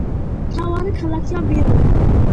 მთავარი ქალაქია მორონი.